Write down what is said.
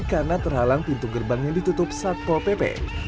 karena terhalang pintu gerbang yang ditutup satpol pp